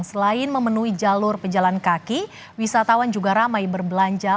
selain memenuhi jalur pejalan kaki wisatawan juga ramai berbelanja